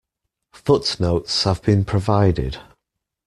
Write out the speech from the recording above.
Footnotes have been provided.